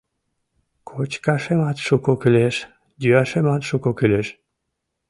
Кочкашемат шуко кӱлеш, йӱашемат шуко кӱлеш.